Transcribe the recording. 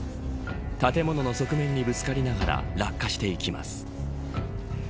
建物の側面にぶつかりながら落下していきます。